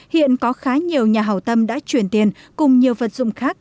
hiện có khá nhiều nhà hào tâm đã chuyển tiền cùng nhiều vật dụng khác